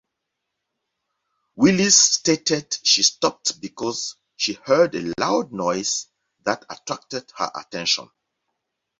Willis stated she stopped because she heard a loud noise that attracted her attention.